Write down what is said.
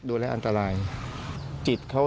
ทีมข่าวเราก็พยายามสอบปากคำในแหบนะครับ